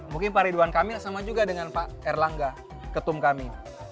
mungkin pak ridwan kamil sama juga dengan pak erlangga ketum kami